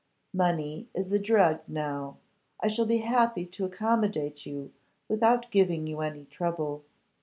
Money is a drug now. I shall be happy to accommodate you without giving you any trouble.